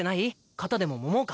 肩でもももうか？